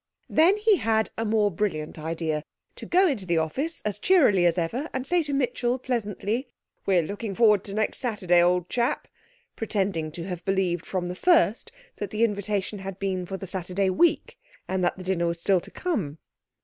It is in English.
Then he had a more brilliant idea; to go into the office as cheerily as ever, and say to Mitchell pleasantly, 'We're looking forward to next Saturday, old chap,' pretending to have believed from the first that the invitation had been for the Saturday week; and that the dinner was still to come....